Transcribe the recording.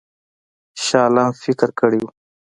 شاه عالم فکر کړی وو.